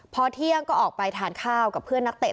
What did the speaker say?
พอเที่ยงก็ออกไปทานข้าวกับเพื่อนนักเตะ